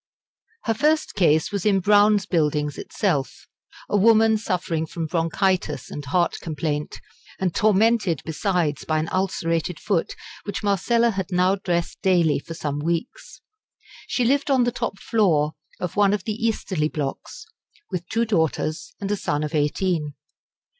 Her first case was in Brown's Buildings itself a woman suffering from bronchitis and heart complaint, and tormented besides by an ulcerated foot which Marcella had now dressed daily for some weeks. She lived on the top floor of one of the easterly blocks, with two daughters and a son of eighteen.